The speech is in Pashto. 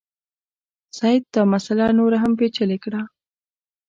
سید دا مسله نوره هم پېچلې کړه.